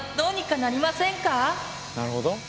なるほど。